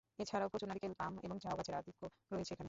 এছাড়াও প্রচুর নারিকেল, পাম ও ঝাউ গাছের আধিক্য রয়েছে এখানে।